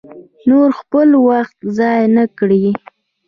نور خپل وخت ضایع نه کړي.